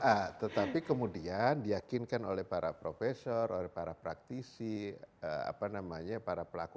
nah tetapi kemudian diyakinkan oleh para profesor oleh para praktisi apa namanya para pelaku